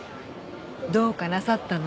どうかなさったの？